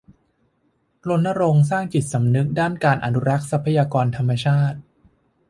รณรงค์สร้างจิตสำนึกด้านการอนุรักษ์ทรัพยากรธรรมชาติ